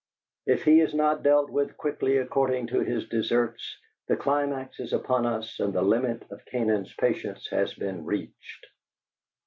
If he is not dealt with quickly according to his deserts, the climax is upon us and the limit of Canaan's patience has been reached.